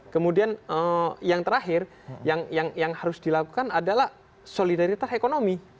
kemudian yang terakhir yang harus dilakukan adalah solidaritas ekonomi